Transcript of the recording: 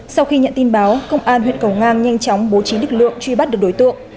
sau khi nhận tin báo công an huyện cầu ngang nhanh chóng bố trí lực lượng truy bắt được đối tượng